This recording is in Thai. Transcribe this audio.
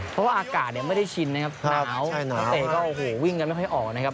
เพราะว่าอากาศเนี่ยไม่ได้ชินนะครับหนาวนักเตะก็โอ้โหวิ่งกันไม่ค่อยออกนะครับ